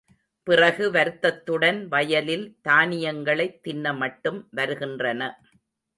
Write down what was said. பிறகு வருத்தத்துடன், வயலில் தானியங்களைத் தின்னமட்டும் வருகின்றன.